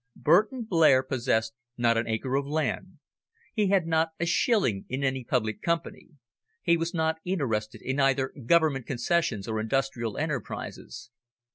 Burton Blair possessed not an acre of land; he had not a shilling in any public company; he was not interested in either Government concessions or industrial enterprises.